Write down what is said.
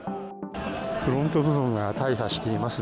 フロント部分が大破しています。